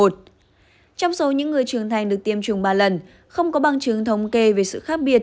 trong số những người trưởng thành được tiêm chủng ba lần không có bằng chứng thống kê về sự khác biệt